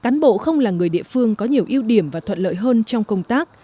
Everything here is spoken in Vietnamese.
nhiều ưu điểm và thuận lợi hơn trong công tác